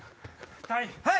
はい！